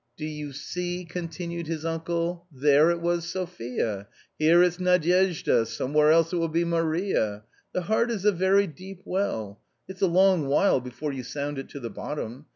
" Do you see ?" continued his uncle, " there it was Sophia, here it's Nadyezhda, somewhere else it will be Maria. The heart is a very deep well ; it's a long while before you sound it to the bottom.